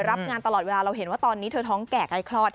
รับงานตลอดเวลาเราเห็นว่าตอนนี้เธอท้องแก่ใกล้คลอด